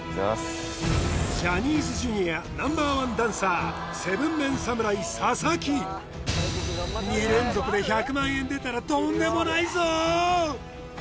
ジャニーズＪｒ．Ｎｏ．１ダンサー７ＭＥＮ侍佐々木２連続で１００万円出たらとんでもないぞ！